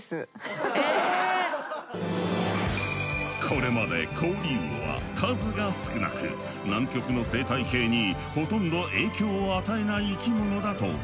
これまでコオリウオは数が少なく南極の生態系にほとんど影響を与えない生き物だと考えられていた。